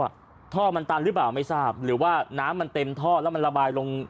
ท่อมันตันหรือเปล่าไม่ทราบหรือว่าน้ำมันเต็มท่อแล้วมันระบายลง